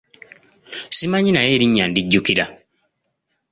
Simanyi, naye erinnya ndijjukira.